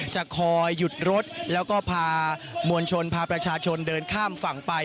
จะคอยหยุดรถแล้วก็พามวลชนพาประชาชนเดินข้ามฝั่งไป